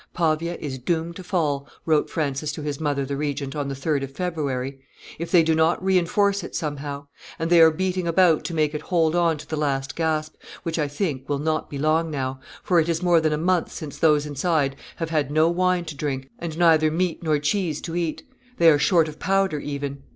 "Pavia is doomed to fall," wrote Francis to his mother the regent on the 3d of February, "if they do not reenforce it somehow; and they are beating about to make it hold on to the last gasp, which, I think, will not be long now, for it is more than a month since those inside have had no wine to drink and neither meat nor cheese to eat; they are short of powder even."